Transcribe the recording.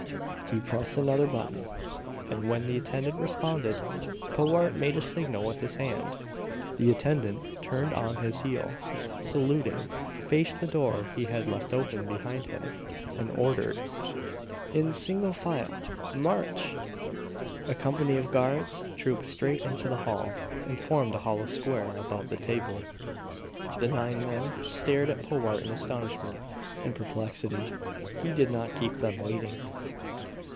He pressed another button, and when the attendant responded, Powart made a signal with his hand. The attendant turned on his heel, saluting, faced the door he had left open behind him, and ordered: "In single file march!" A company of guards trooped straight into the hall, and formed a hollow square about the table. The nine men stared at Powart in astonishment and perplexity. He did not keep them waiting.